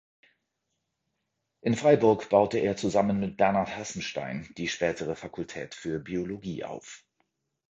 In Freiburg baute er zusammen mit Bernhard Hassenstein die spätere Fakultät für Biologie auf.